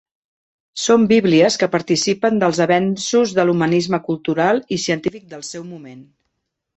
Són Bíblies que participen dels avenços en l'humanisme cultural i científic del seu moment.